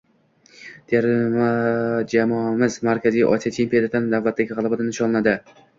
Terma jamoamiz Markaziy Osiyo chempionatida navbatdagi g‘alabani nishonlading